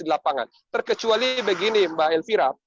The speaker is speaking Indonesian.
di lapangan terkecuali begini mbak elvira